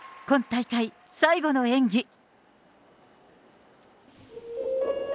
今大会、最後の演技。